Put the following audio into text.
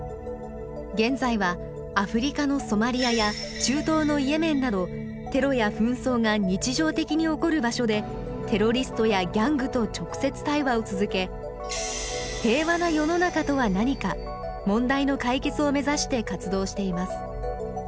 現在はアフリカのソマリアや中東のイエメンなどテロや紛争が日常的に起こる場所でテロリストやギャングと直接対話を続け平和な世の中とは何か問題の解決を目指して活動しています。